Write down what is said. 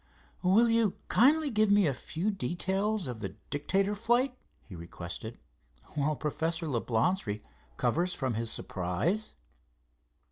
"Will you kindly give me a few details of the Dictator flight," he requested, "while Professor Leblance recovers from his surprise?"